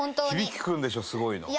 響大君でしょすごいの。